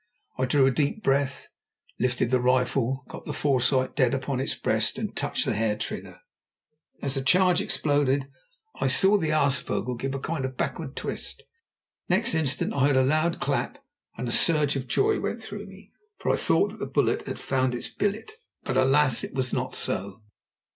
I drew a deep breath, lifted the rifle, got the foresight dead upon its breast, and touched the hair trigger. As the charge exploded I saw the aasvogel give a kind of backward twist. Next instant I heard a loud clap, and a surge of joy went through me, for I thought that the bullet had found its billet. But alas! it was not so.